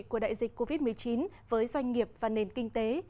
của đại dịch covid một mươi chín với doanh nghiệp và nền kinh tế